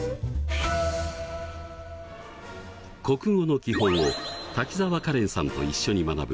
国語の基本を滝沢カレンさんと一緒に学ぶ